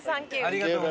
ありがとう。